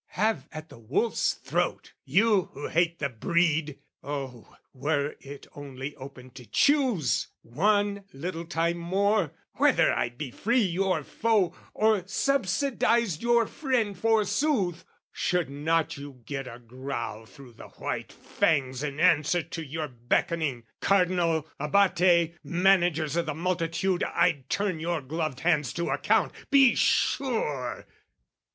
Have at the wolf's throat, you who hate the breed! Oh, were it only open to choose One little time more whether I'd be free Your foe, or subsidised your friend forsooth! Should not you get a growl through the white fangs In answer to your beckoning! Cardinal, Abate, managers o' the multitude, I'd turn your gloved hands to account, be sure!